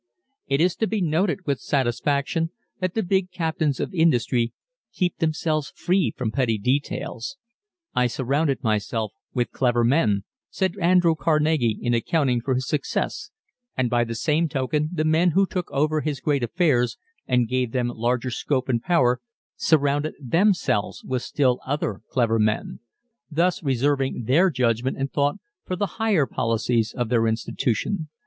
_" It is to be noted with satisfaction that the big captains of industry keep themselves free from petty details. "I surrounded myself with clever men," said Andrew Carnegie in accounting for his success and by the same token the men who took over his great affairs and gave them larger scope and power surrounded themselves with still other clever men, thus reserving their judgment and thought for the higher policies of their institutions.